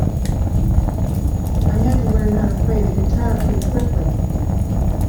"I had to learn how to play the guitar pretty quickly".